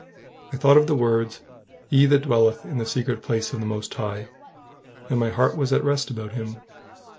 I thought of the words, "He that dwelleth in the secret place of the Most High," and my heart was at rest about him.